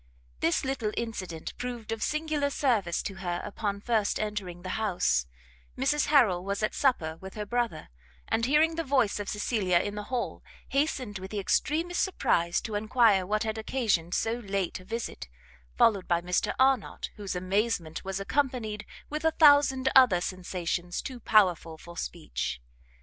This little incident proved of singular service to her upon first entering the house; Mrs Harrel was at supper with her brother, and hearing the voice of Cecilia in the hall, hastened with the extremest surprise to enquire what had occasioned so late a visit; followed by Mr Arnott, whose amazement was accompanied with a thousand other sensations too powerful for speech.